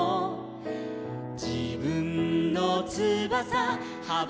「じぶんのつばさはばたかせて」